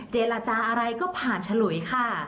เจรจาอะไรก็ผ่านฉลุยค่ะ